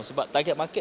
sebab target market